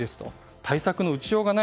対策の打ちようがない。